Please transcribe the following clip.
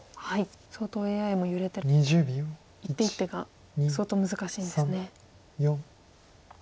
相当ＡＩも揺れて一手一手が相当難しいんですね。